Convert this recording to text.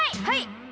はい。